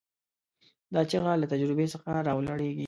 دا چیغه له تجربې څخه راولاړېږي.